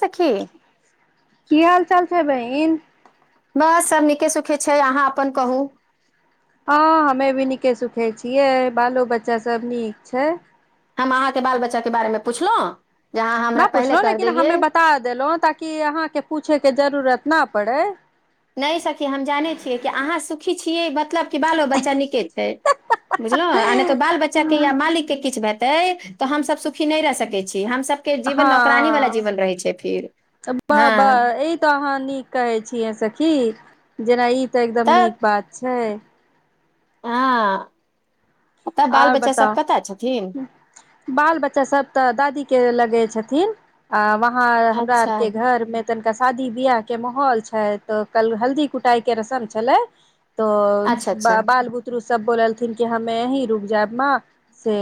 तखी। [unintelligible] की हाल चाल छै बहिन। [unintelligible] बस सभ नीके सुखे छै अहाँ अपन कहू। [unintelligible] हँ हमहु नीके सुखे छियै बालो बच्चा सब नीक छै। [unintelligible] हम अहाँके बाल बच्चा के बारे मे पुछलहुँ। [unintelligible] हमरा नहि पहिले पुछलहु कह लेकिन देलियै हमे बता देलहु ताकि अहाँके पूछे के। [unintelligible] जररत न पड़ै। [unintelligible] नहि सखी हम जानै छियै कि अहाँ सुखी छियै मतलब कि बालो बच्चा नीके छै बुझलहुँ आ नहि तऽ बाल बच्चाके या मालिकके किछु हेतै तऽ हमसभ सुखी नहि रहि सकैत छीय। हँ छै फिर [unintelligible] ब हँ -बा ई तो अहाँ नीक कहे छीिय से। की [unintelligible] जेना ई। तऽ एकदम नीक बात। छै। [unintelligible] आ। [unintelligible] आर बताउ [unintelligible] बाल बच्चा सब तऽ दादी के लगे छै। छथिन [unintelligible] आ वह। ह [unintelligible] हमरा आर अच्छा के घर में त। शादी बियाह के माहौल छै तऽ कल हल्दी कुटाई के रस्म छलै। [unintelligible] त अच्छा अच्छा [unintelligible] बाल बुतरू सब बोलल। कि हमे ह। [unintelligible] रुब जाब से।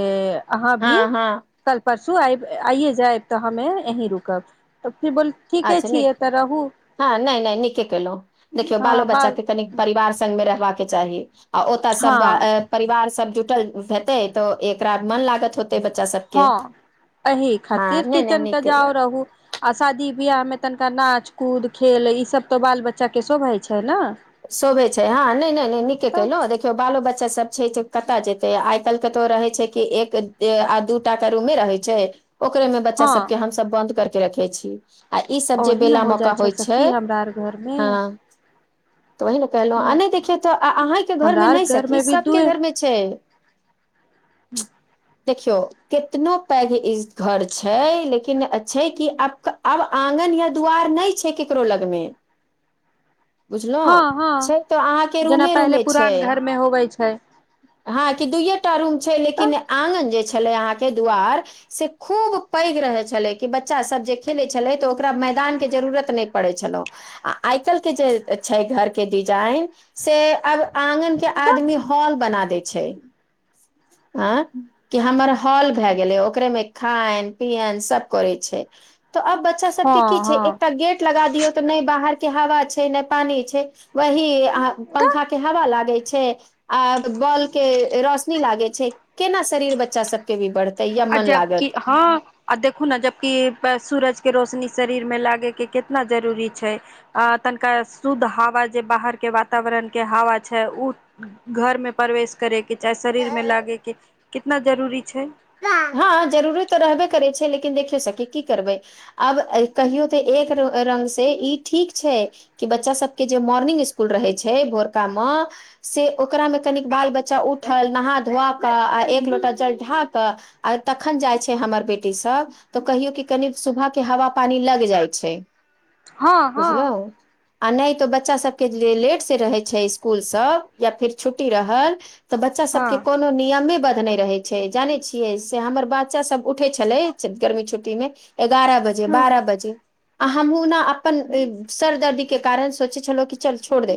[unintelligible] अहाँ भी हँ हँ [unintelligible] कल परसो। सु आब आइए जायब तऽ हमे अीं रुकब। [unintelligible] ठीके अच्छा न- छियै तऽ रहू हँ नई- नई नीके केलहुँ देखियौ हँ बालो बाल बच्चाे कनि परिवार सगमे रहबाक। के चाही। [unintelligible] आ ओतय सब हँ -परिवार सब। जुटल हेतै तऽ एकरा मन लागत होते। हँ [unintelligible] एहि हँ खातिर नहि नहि किचन नीक के केलहुँ जाउ रहू आ शादी बियाह मे। तनिका नाच कूद खेल ई सब तो बाल बच्चा के शोभय छै ने। [unintelligible] शोभे छै हँ नहि नहि नहि नीके तऽ केलहुँ देखियौ बालो बच्चा सब छै कतय जेतै आइ काल्हि के तो रहै छै कि एक आ दू टा के रूमे रहै छै। [unintelligible] ओकरे में बच्चा सब हँ के हम सब बंद करके। रखियइ छी। [unintelligible] आ ईसभ जे ओही ने बेला हो मौका जाइ होइ छै सखी [unintelligible] हमरा आर घर मे हँ। तऽ ओही ने कहलहुँ आ नहि -देखियौ तऽ अहींके हमरा घरमे आर नहि घर सखी मे भी सभके दुए घरमे छै। [unintelligible] देखियौ कितनो पैघ इ घर छै लेकिन छै कि आब आब आङगन या दुआार नहि छै केकरो लगमे। [unintelligible] हँ- हँ छै तऽ अहाँके जेना रूमे पहिले रूमे छै पुरान घर मे होवे छै। [unintelligible] हँ कि दूएटा रूम छै तऽ लेकिन आगन जे छै। पहिले जे कहां के दार से खूब पैग रहे छलैकि बच्चा सब जे खेले छलै त मैदान के जरूरत नई पडै छलै। तऽ [unintelligible] बना दे छै [unintelligible] ह कि हमर हॉल भए गेलै ओकरे मे खाय पियन सब करै छै। तऽ अब बच्चा हँ सबके की छै हँ एकटा गेट लगा दियौ तऽ नई बाहर। के हवा छै ने पानी छै वही तऽ पंखा के हवा लागे छै आ। बॉल के रोशनी लागे छै केना शरीर बच्चा सब के भ बढ़त। आ जबक हँ आ देखू ने जबकि सूरज। [unintelligible] के रोशनी शरीर मे लागे के कितना जरूरी छै अ तनिका शुद्ध हवा जे बाहर के वातावरण के हवा छै उ घर मे प्रवेश करे के। चाहे शरीर मे लागेके। [unintelligible] कितना जरूरी छै। [unintelligible] हँ जरुररी तऽ रहबे करे छै लेकिन देखियौ सखी की करबै आब कहियो तऽ एक रंग से ई ठीक छै कि बच्चा सब के जे सुबह स्कुल रहे छै भोरका मे से ओकरा मे कन बाल बच्चा उठल नहा धुआ कऽ आ एक लोटा जल। त आ तखन जाइ छै हमर बेटी सब तऽ कहियो कि कनि सुबह के हवा पानी लग जाइ छै। हँ -हँ। [unintelligible] बुझलौं आ नहि तऽ बच्चासभके जे लेटसँ रहै छै इसकुलसभ या फेर छुट्टी रहल। तऽ बच्चा सब के हँ कोनो नियमे ब। [unintelligible] नहि रहै छै। [unintelligible] जानै छियै से हमर बच्चा सब उठे छलै गर्मी छुट्टी मे। एगारह बजे ह बारह बजे। [unintelligible] आ हमहूँ ने अपन सर दर्दीके कारण सोचै छलहुँ कि चल छोड़ दे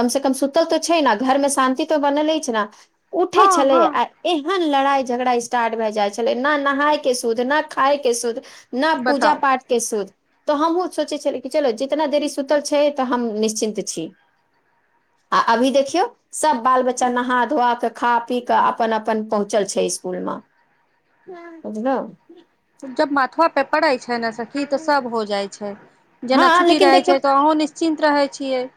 कमसँ कम सुतल तऽ छै ने घरमे शान्ति तऽ बनल अछि ने। [unintelligible] उठै हँ छलै हँ आ एह। [unintelligible] लड़ाई। [unintelligible] झगड़ा स्टार्ट भए जाइ छलै ने नहााय के शुद्ध न खााय के शुद्ध। [unintelligible] न पूजा बताउ पाठ के शो। [unintelligible] तऽ हमहुूँ सोचै छलिय कि चलो जितना देरी सुतल छै तऽ हम निश्चिन्त छी [unintelligible] आ अभी देखियौ सब बाल बच्चा नहा धोआ क खा पी कऽ अपन अपन पहुँचल छै स्कूल। कुल बझल। [unintelligible] जब माथुआ पे पड़ै छै। खेना से की ते सब हो जाय छै [unintelligible] जेना हँ छुट्टी लेकिन रहे देखियौ छै त। चिन्त रहै छियै। [unintelligible]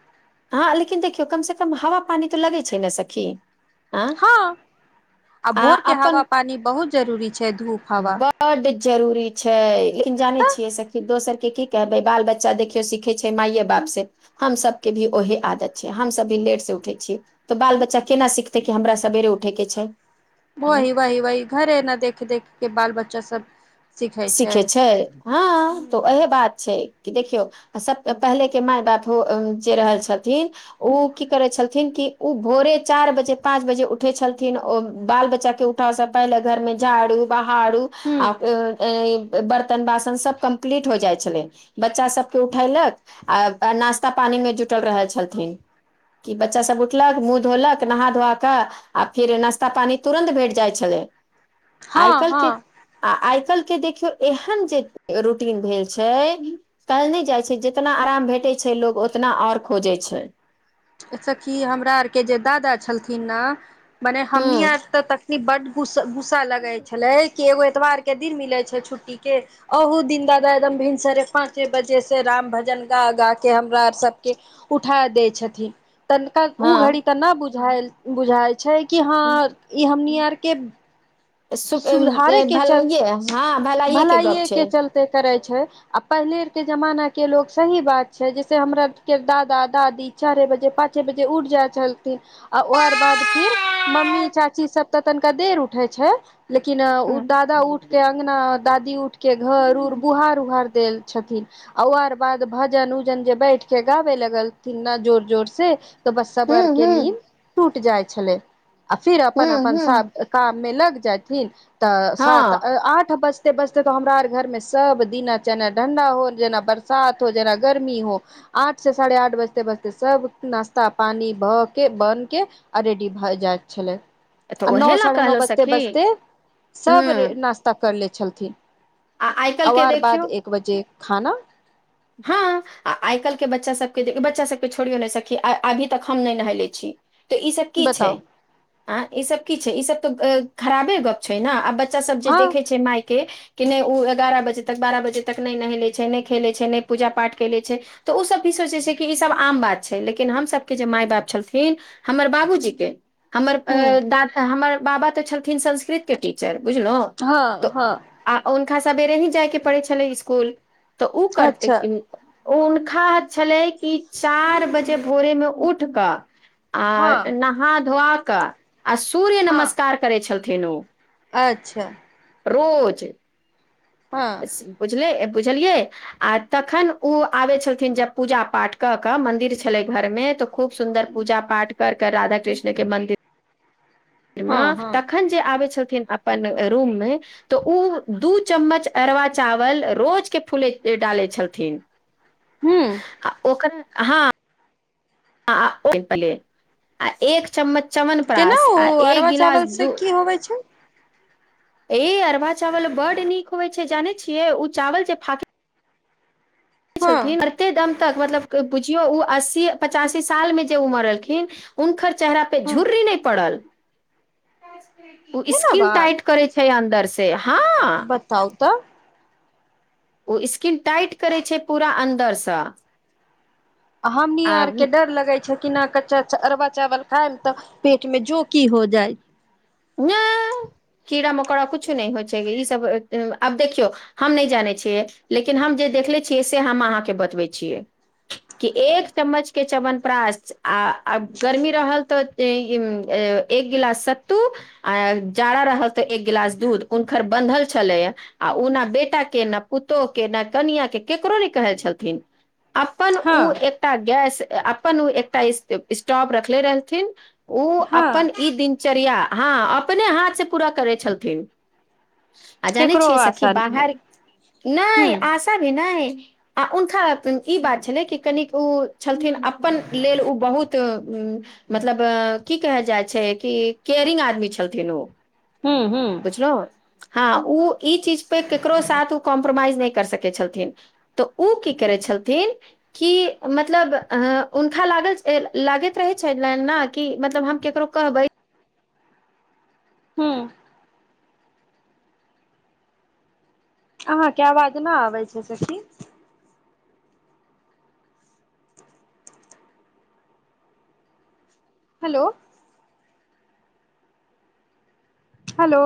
हँ लेकिन देखियौ कमसँ कम हवा पानी तऽ लगैत छै ने सखी। [unintelligible] हँ [unintelligible] आ भोर के हवा पानी बहुत जरूरी छै धूप। हवा बड जरूरी छै लेकिन जानै तऽ छियै सखी। दोसरके की कहबै बाल बच्चा देखियौ सिखै छै मायए बाप से हमसभके भी ओहे आदत छै हमसभ भी लेट से उठै छियै तऽ बाल बच्चा केना सिखतै कि हमरा सवेरे उठेके छै। [unintelligible] वहि वाहि -वाहि घरे ने देखे- देखे। के बाल बच्चा सब। [unintelligible] सीखे छै [unintelligible] हँ त हूँ अहे बात छै। क देखियो सब पहिले के माय बाप जे रहल छथिन उ की करे छलथिन क उ भोरे चार बजे पाच बजे उठे छलथिन ओ बाल बच्चा के उठाव से पहिले घर में झाड़ू ब। आरू [unintelligible] आ। ब की जाइ छल बच्चा सब उठक आ नासा पीमे जुटल रह छलन बच्चा सब उठलक मुह धोलक नहा ध कऽ आ फेर नाास्ता पानी तुरन्त भेट जाइ छलै। [unintelligible] आइ हँ केल- हँ आई कैल। [unintelligible] के देखियौ एहन जे रूटीन भेल छै काल्हि नहि जाइ छै जितना आराम भेटै छै लोग उतना आओर खोजे छै। [unintelligible] सखी हमरा आरके जे दादा छलथिन ने। ने हमनी हूँ आर तऽ त। [unintelligible] एखनी बड गुस्सा गुस्सा लगै छलै कि एगो एतबारके दिन मिलै छै छुट्टीके अहुू दिन दादा एकदम भिनसरे पाँचे बजेसँ राम भजन गा गाके हमरा आर सबके उठा दै छथिन। तनिका ओ घड़ी हँ त न बुझ। बुझ बुझााय छै। [unintelligible] कि हँ ई हमनी। [unintelligible] के। [unintelligible] सु सुधारे के च भलाइए हँ गप -भलाइए छै के चलते करै छै। छै आ पहिलेके जमाना के लोग सही बात छै जैसे हमरा आर के दादा दादी चारे बजे पाँचे बजे उठ जाइ छलथिन आ ओकर बाद फिर मम्मी चाची सब तऽ तनिका देर उठै छै। लेकिन उ हूँ दादा उठ के अङगना दादी उठ के घर उर बुहार उहार देल। [unintelligible] छथिन आ ओ आर बाद भजन उजन जे बैठ के गाबे लगलथिन ने जोर -जोर से। तो बस्सा बर के हूँ नींद टूट जाय छै। छले। [unintelligible] आ फिर हूँ अपन- अपन हूँ काम मे लग। ठी। [unintelligible] तऽ हँ सात-आठ बस। बे बजते तऽ हमरा आर घर मे सब दिना ठंडा हो जेना बरसात हो, जेना गर्मी हो, आठ से साढ़े आठ बजते बजते सब नाास्ता पानी भ के बन के आ रेडी भए जाय छलै। तऽ आ नओ उहे लए साढ़े नओ कहलहु बजते सखी बजते त, सब रे हूँ नाश्ता कर ले छलखिन। आ आइ काल्हि के अवार बाद देखियौ एक बजे खाना। [unintelligible] हँ आ आइ काल्हिके बच्चा सभके बच्चा सभके छोड़ियो नहि सकी -अभी तक हम नहि नहेले छी। तऽ ईसभ की छै। बताउ [unintelligible] आ इ सब की छै, इ सब त खराबे गप छै ने, आ ब बच्चा सब जे हँ देखे छै मायके कि नै ओ एगारह बजे तक, बारह बजे तक ने नहेले छै ने खेलैत छै, ने पुजा पाठ केले छै, त ओसब भी सोच जे छै कि ईसब आम बात छै, लेकिन हमर सबके जे माय बाप छलथिन, हमर बाबूजीके हमर अ ह दाद हमर बाबा ते छलखिन संस्कृत के टीचर। बुझलहुं, हँ त हँ आ ओ खाके सवेरे ही जाइके पड़ै छलै इसकुल। त उ करते अच्छा ओ हुनका छलै कि चारि बजे भोरेमे उठ क आ हँ नहा धोआ का। आ सूर्य हँ नमस्कार करै छलखिन थिन ओ। अच्छा। रोज। हँ बुझले। बुझलियै आ तखैन ओ आबै छलखिन जब पुजा पाठ क क मन्दिर छलै घरमे त खूब सुन्दर पूजा पाठ कर कर राधा कृष्ण के मंन्दिर ओहिमे, हँ हँ तखैन जे आबै छल खिन अपन रूम मे, त ओ दू चम्मच अरवा चावल रोजके फुलै ले डालै छलखिन। हुं। हां। आ [unintelligible] आ एक चम्मच केना च्यवनप्राश ओ आ एक अरबा गिलास चावल दू से की होबै छै? ए अरबा चावल बड नीक होय छै जानै छियै उ चावल जे फाके हँ छथिन एत्ते दम तक मतलब बुझियौ उ अस्सी, पचासी साल मे जे उ मरलखिन उनखर चेहरा पे झुर्री नै पड़ल। आ उ एना स्किन बात टाइट करे छै अन दर्सेय हां। त ओ स्किन टाइट करै छै पूरा अन्दरसँ। हमनी आ आर के डर लगै छै। कि ना कच्चा चा अरवा चावल खाएम ते पेट मे जोकी हो जाय नै। कीड़ा-मकोड़ा कुछु नै होय छै, ई सब ए अ आब देखियौ हम नै जानै छियै, लेकिन हम जे देखले छियै से हम अहाँके बतबै छियै कि एक चम्मच के चवनप्रास आ आ गर्मी रहल तऽ ए इ ए एक गिलास स तू आ जाड़ा रहल तऽ एक गिलास दूध हुनकर बन्धल छलैया आ उ ना बेटा के ना पुतोह के ना कनिया के केकरो नै कहै छलखिन। अपन हँ उ एकटा गैस ते अपन उ एकटा स्टॉ स्टॉप रखले रहथिन। उ हँ अपन ई दिन चर्या हाँ अपने हाथ से पूरा करै छलथिन। आ जानै केकरो छियै सखी आशा नहि बाहर हूँ नै आशा भी नै। आ उनखा उम्म ई बात छलै कि कनिक उ छलथिन अपन लेल उ बहुत उम्म मतलब की कहल जाय छै कि केयरिंग आदमी छलथिन उ। ह्म्म-ह्म्म। हाँ उ ई चीजपे केकरो साथ उ कॉमपरमाइज नै कर सकै छलथिन तऽ उ की करै छलथिन कि मतलब अ उनखा लागल ए लागैत रहै छैन ने ना कि मतलब हम केकरो कहबै ह्म्म। अहाँके अवाज ना आबै छै सखी। हलो। हलो।